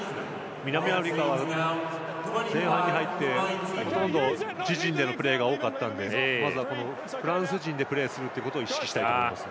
南アフリカは後半に入ってほとんど自陣でのプレーが多かったのでまずはフランス陣でプレーするという意識したいと思いますね。